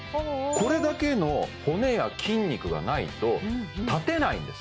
これだけの骨や筋肉がないと立てないんです